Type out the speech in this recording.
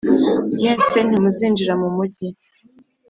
mwese Ntimuzinjira mumujyi